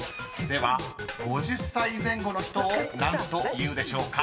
［では５０歳前後の人を何というでしょうか？］